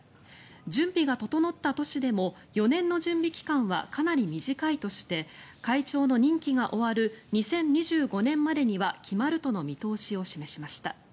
準備が整った都市でも４年の準備期間はかなり短いとして会長の任期が終わる２０２５年までには決まるとの見通しを示しました。